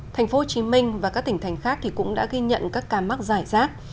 thành phố hồ chí minh và các tỉnh thành khác cũng đã ghi nhận các ca mắc giải rác